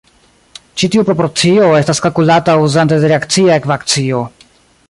Ĉi tiu proporcio estas kalkulata uzante de reakcia ekvacio.